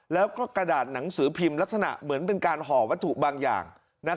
แล้วก็กระดาษหนังสือพิมพ์ลักษณะเหมือนเป็นการห่อวัตถุบางอย่าง